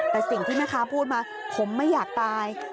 แต่สิ่งที่แม่ค้าพูดมาผมไม่อยากตาย